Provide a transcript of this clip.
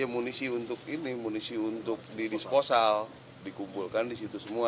munisi untuk ini munisi untuk didisposal dikumpulkan di situ semua